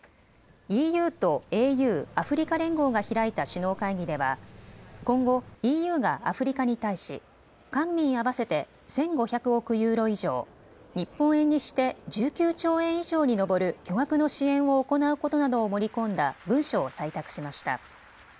ＥＵとＡＵ・アフリカ連合が開いた首脳会議では今後、ＥＵがアフリカに対し官民合わせて１５００億ユーロ以上、日本円にして１９兆円以上に上る巨額の支援を行うことなどを盛り込んだ文書を採択しました。